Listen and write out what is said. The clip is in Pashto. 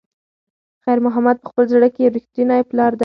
خیر محمد په خپل زړه کې یو رښتینی پلار دی.